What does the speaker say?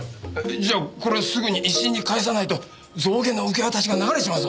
じゃあこれすぐに石井に返さないと象牙の受け渡しが流れちまうぞ！